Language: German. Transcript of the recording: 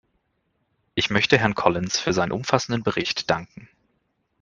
Ich möchte Herrn Collins für seinen umfassenden Bericht danken.